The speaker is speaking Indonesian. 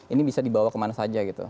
ini bisa dibawa kemana saja gitu